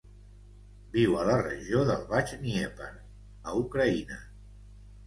Viu a la regió del baix Dnièper, a Ucraïna.